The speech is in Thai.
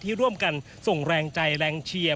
ร่วมกันส่งแรงใจแรงเชียร์